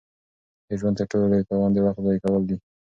د ژوند تر ټولو لوی تاوان د وخت ضایع کول دي.